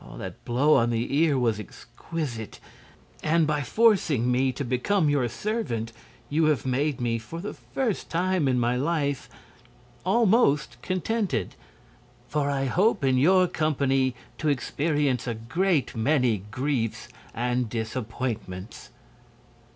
That blow on the ear was exquisite, and by forcing me to become your servant you have made me, for the first time in my life, almost contented. For I hope in your company to experience a great many griefs and disappointments."